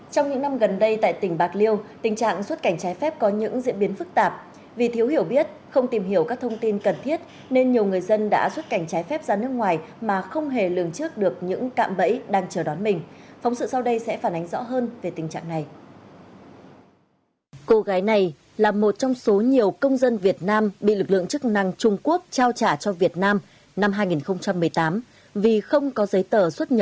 trong những năm gần đây tại tỉnh bạc liêu tình trạng xuất cảnh trái phép có những diễn biến phức tạp vì thiếu hiểu biết không tìm hiểu các thông tin cần thiết nên nhiều người dân đã xuất cảnh trái phép ra nước ngoài mà không hề lường trước được những cạm bẫy đang chờ đón mình